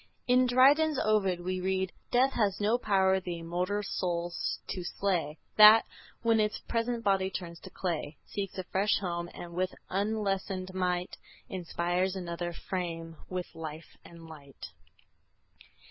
In Dryden's Ovid we read: "Death has no power the immortal soul to slay, That, when its present body turns to clay, Seeks a fresh home, and with unlessened might Inspires another frame with life and light."